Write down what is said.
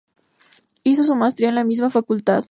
Hizo su maestría en la misma facultad.